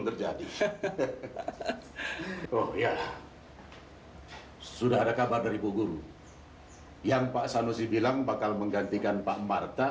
terjadi hahaha sudah ada kabar dari bu guru yang pak sanusi bilang bakal menggantikan pak marta